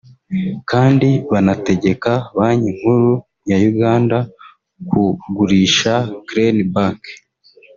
kandi banategeka Banki Nkuru ya Uganda ku gurisha Crane Bank